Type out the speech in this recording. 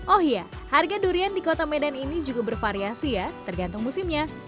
oh iya harga durian di kota medan ini juga bervariasi ya tergantung musimnya